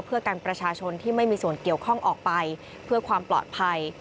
เพื่อกันประชาชนที่ไม่มีส่วนเกี่ยวข้องออกไปเพื่อความปลอดภัย